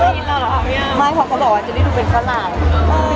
ไม่เพราะเขาบอกว่ามันจะดูเป็นกระหล่าย